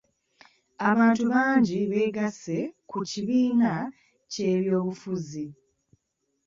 Abantu bangi beegasse ku kibiina ky'ebyobufuzi.